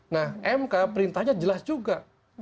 nah mk perintahnya jelas juga